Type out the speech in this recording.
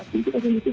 pas dikasih penguji